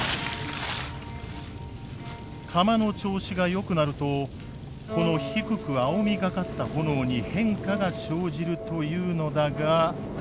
釜の調子がよくなるとこの低く青みがかった炎に変化が生じるというのだが。